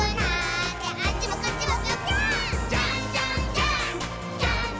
ジャンプ！！」